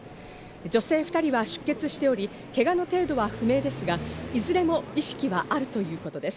女性２人は出血しており、けがの程度は不明ですが、いずれも意識はあるということです。